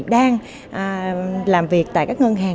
đang làm việc tại các ngân hàng